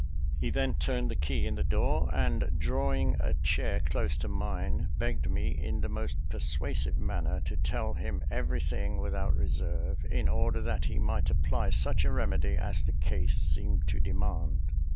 He then turned the key in the door; and, drawing a chair close to mine, begged me, in the most persuasive manner, to tell him every thing without reserve, in order that he might apply such a remedy as the case seemed to demand.